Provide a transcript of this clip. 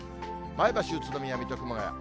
前橋、宇都宮、水戸、熊谷。